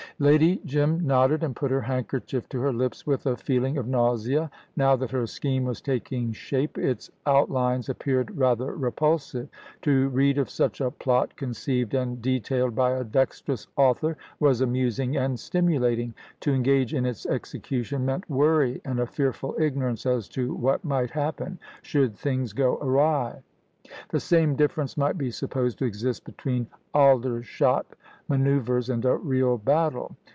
Lady Jim nodded, and put her handkerchief to her lips with a feeling of nausea. Now that her scheme was taking shape, its outlines appeared rather repulsive. To read of such a plot conceived and detailed by a dexterous author was amusing and stimulating; to engage in its execution meant worry, and a fearful ignorance as to what might happen, should things go awry. The same difference might be supposed to exist between Aldershot man[oe]uvres and a real battle.